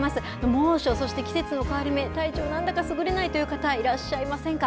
猛暑、そして季節の変わり目、体調なんだかすぐれないという方、いらっしゃいませんか。